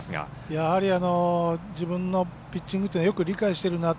やはり自分のピッチングというのをよく理解しているなと。